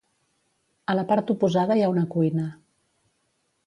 A la part oposada hi ha una cuina.